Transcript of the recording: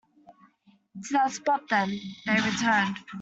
To that spot, then, they returned.